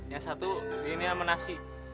yang satu ini sama nasi